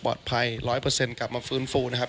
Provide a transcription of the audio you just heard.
ปลอดภัย๑๐๐กลับมาฟื้นฟูนะครับ